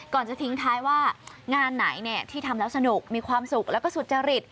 จะทิ้งท้ายว่างานไหนที่ทำแล้วสนุกมีความสุขแล้วก็สุจริต